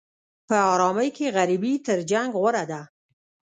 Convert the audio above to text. په ارامۍ کې غریبي تر جنګ غوره ده.